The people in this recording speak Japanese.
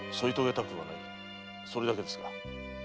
それだけですか？